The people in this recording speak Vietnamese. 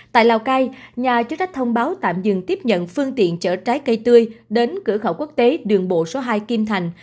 tại lào cai nhà chức trách thông báo tạm dừng tiếp nhận phương tiện chở trái cây tươi đến cửa khẩu quốc tế đường bộ số hai kim thành